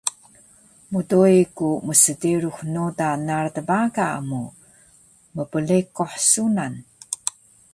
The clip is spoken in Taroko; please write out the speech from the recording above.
mdoi ku msderux noda narac baga mu mplekuh sunan